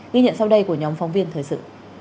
ghi nhận sau đây của nhóm phóng viên thời sự